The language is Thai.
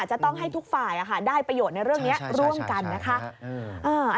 จะต้องให้ทุกฝ่ายได้ประโยชน์ในเรื่องนี้ร่วมกันนะคะ